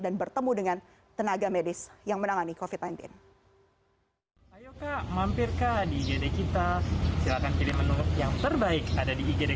dan bertemu dengan tenaga medis yang menangani covid sembilan belas